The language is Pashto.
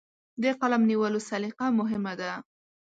د قلم نیولو سلیقه مهمه ده.